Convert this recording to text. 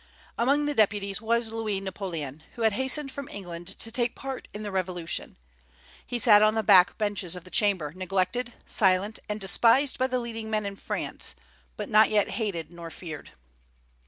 Among the deputies was Louis Napoleon, who had hastened from England to take part in the revolution. He sat on the back benches of the Chamber neglected, silent, and despised by the leading men in France, but not yet hated nor feared.